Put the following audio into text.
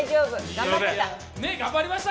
頑張ってた！